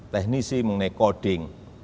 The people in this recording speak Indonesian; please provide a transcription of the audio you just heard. teknisi mengenai coding